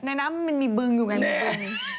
น้ำมันมีบึงอยู่ไง